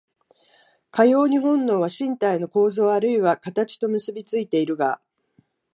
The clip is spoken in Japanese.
かように本能は身体の構造あるいは形と結び付いているが、